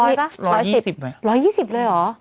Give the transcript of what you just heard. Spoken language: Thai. ซื้อได้เท่าไหร่แองที่๑๒๐บาทไหมครับ๑๒๐บาท